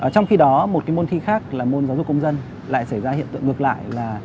trong khi đó một cái môn thi khác là môn giáo dục công dân lại xảy ra hiện tượng ngược lại là